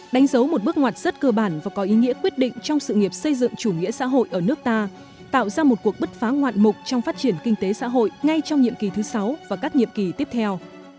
đánh dấu một bước ngoặt rất cơ bản và có ý nghĩa quyết định trong sự nghiệp xây dựng chủ nghĩa xã hội ở nước ta tạo ra một cuộc bứt phá ngoạn mục trong phát triển kinh tế xã hội ngay trong nhiệm kỳ thứ sáu và các nhiệm kỳ tiếp theo